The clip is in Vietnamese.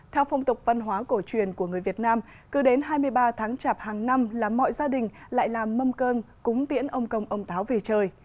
theo phong tục văn hóa cổ truyền của người việt nam cứ đến hai mươi ba tháng chạp hàng năm là mọi gia đình lại làm mâm cơn cúng tiễn ông công ông táo về trời